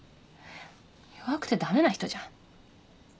弱くて駄目な人じゃん。